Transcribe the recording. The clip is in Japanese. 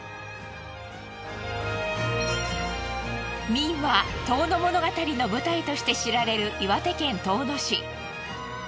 民話『遠野物語』の舞台として知られる岩手県遠野市。